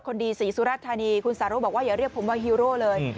ดีศรีสุรธานีคุณสาโรธบอกว่าอย่าเรียกผมว่าฮีโร่เลย